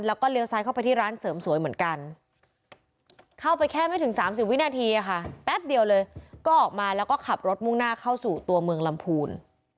แล้วก็เลี้ยซ้ายเข้าไปที่ร้านเสริมสวยเหมือนกันเข้าไปแค่ไม่ถึง๓๐วินาทีค่ะแป๊บเดียวเลยก็ออกมาแล้วก็ขับรถมุ่งหน้าเข้าสู่ตัวเมืองลำพูน